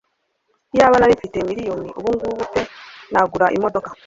Iyaba nari mfite miliyoni ubungubu pe nagura imodoka